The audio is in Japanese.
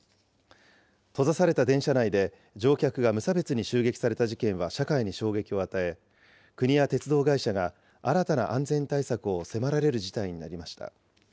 閉ざされた電車内で乗客が無差別に襲撃された事件は社会に衝撃を与え、国や鉄道会社が新たな安全対策を迫られる事態になりました。